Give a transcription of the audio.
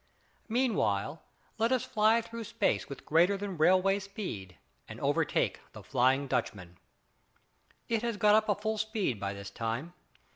Meanwhile let us fly through space with greater than railway speed and overtake the "Flying Dutchman." It has got up full speed by this time.